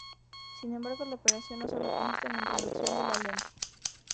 Sin embargo, la operación no sólo consiste en la introducción de la lente.